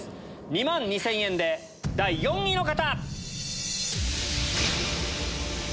２万２０００円で第４位の方！